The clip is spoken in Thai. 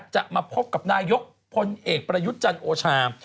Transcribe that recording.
จะมาพบกับนายกพลเอกประยุจรรย์โอชา